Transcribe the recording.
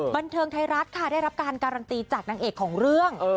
บันเทิงไทยรัฐค่ะได้รับการการันตีจากนางเอกของเรื่อง